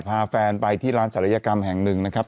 พาแฟนไปที่ร้านศัลยกรรมแห่งหนึ่งนะครับ